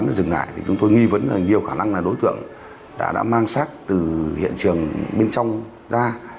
thì tím chó cắn dừng lại chúng tôi nghi vấn nhiều khả năng là đối tượng đã mang sát từ hiện trường bên trong ra